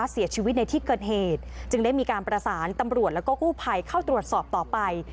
เสียชีวิตในที่เกิดเหตุจึงได้มีการประสานตำรวจแล้วก็กู้ภัยเข้าตรวจสอบต่อไป